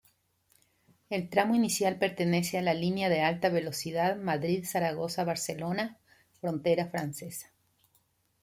El tramo inicial pertenece a la Línea de alta velocidad Madrid-Zaragoza-Barcelona-Frontera francesa.